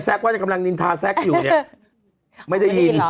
แซ็กว่ากำลังนินทาแซ็กอยู่เนี่ยไม่ได้ยินหรอ